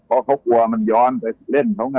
เพราะเขากลัวมันย้อนไปเล่นเขาไง